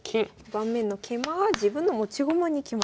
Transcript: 盤面の桂馬は自分の持ち駒に来ました。